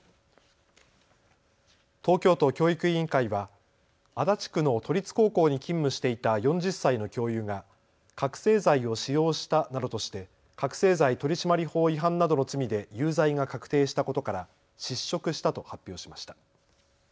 東京都教育委員会は足立区の都立高校に勤務していた４０歳の教諭が覚醒剤を使用したなどとして覚醒剤取締法違反などの罪で有罪が確定したことから失職したと発表しました。